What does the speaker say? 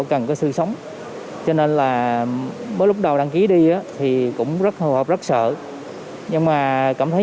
cần có sự sống cho nên là mới lúc đầu đăng ký đi thì cũng rất hầu hộp rất sợ nhưng mà cảm thấy